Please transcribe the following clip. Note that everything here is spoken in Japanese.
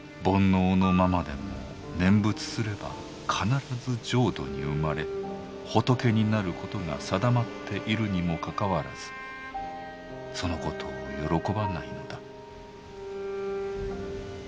「煩悩のままでも念仏すれば必ず浄土に生まれ仏になることが定まっているにもかかわらずそのことを喜ばないのだ」。